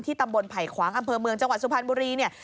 ตำบลไผ่ขวางอำเภอเมืองจังหวัดสุพรรณบุรีเนี่ย